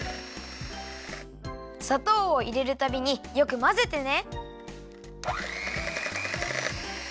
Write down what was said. さとうをいれるたびによくまぜてね。